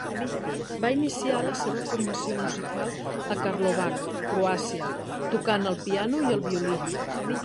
Va iniciar la seva formació musical a Karlovac, Croàcia, tocant el piano i el violí.